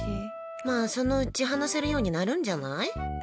まあ、そのうち話せるようになるんじゃない？